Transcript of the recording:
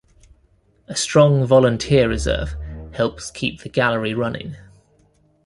A strong volunteer reserve helps keep the Gallery running.